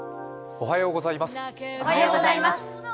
おはようございます。